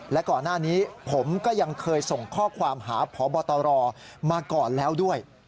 และก่อนหน้านี้ผมก็ยังเคยส่งข้อความหาพบตรมาก่อนแล้วด้วย